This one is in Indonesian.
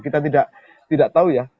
kita tidak tahu ya